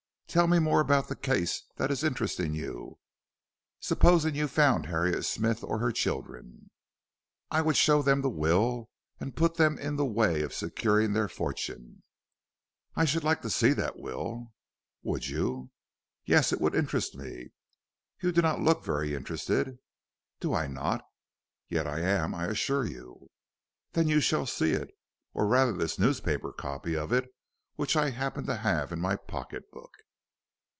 "Tell me more about the case that is interesting you. Supposing you found Harriet Smith or her children?" "I would show them the will and put them in the way of securing their fortune." "I should like to see that will." "Would you?" "Yes, it would interest me." "You do not look very interested." "Do I not? Yet I am, I assure you." "Then you shall see it, or rather this newspaper copy of it which I happen to have in my pocket book."